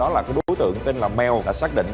là ba thi thể là bốn thi thể